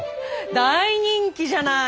大人気じゃない。